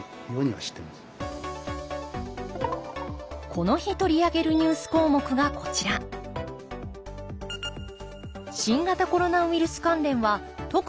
この日取り上げるニュース項目がこちら新型コロナウイルス関連は特に重要だと考え